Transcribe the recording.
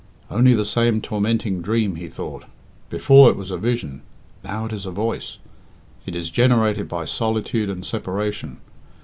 "Only the same tormenting dream," he thought. "Before it was a vision; now it is a voice. It is generated by solitude and separation.